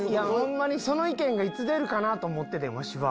その意見がいつ出るかなと思っててんワシは。